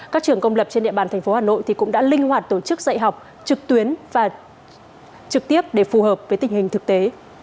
các trường công lập trên địa bàn tp hà nội cũng đã linh hoạt tổ chức dạy học trực tuyến và trực tiếp để phù hợp với tình hình thực tế